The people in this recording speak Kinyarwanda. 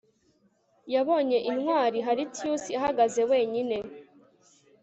Yabonye intwari Horatius ihagaze wenyine